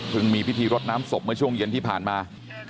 ถึงมีพิธีรถน้ำสบช่วงเย็นที่ผ่านมา